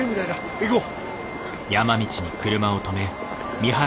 行こう。